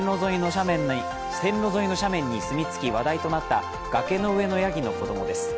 線路沿いの斜面に住み着き話題となった崖の上のやぎの子供です。